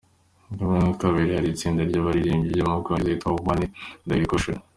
Ku mwanya wa kabiri hari itsinda ry’Abaririmbyi ryo mu Bwongereza ryitwa wani Dayirekishoni.